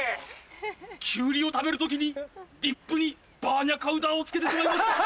キュウリを食べる時にディップにバーニャカウダを付けてしまいました。